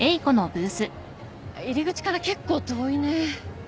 入り口から結構遠いね。